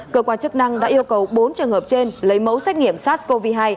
cơ quan chức năng đã yêu cầu bốn trường hợp trên lấy mẫu xét nghiệm sars cov hai